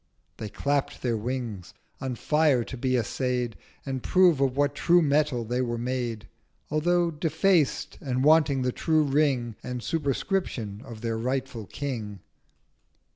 They clapp'd their Wings, on Fire to be assay'd And prove of what true Metal they were made, Although defaced, and wanting the true Ring And Superscription of their rightful King.